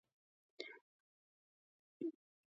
پییر د خپل پلار میراث په غیر متوقع ډول ترلاسه کړ.